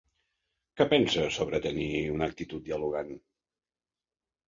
Què pensa sobre tenir una actitud dialogant?